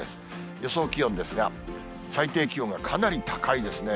予想気温ですが、最低気温がかなり高いですね。